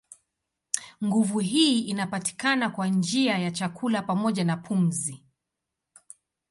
Nguvu hii inapatikana kwa njia ya chakula pamoja na pumzi.